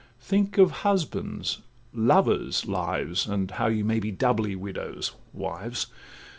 —Think of husbands', lovers' lives! And how ye may be doubly widows—wives!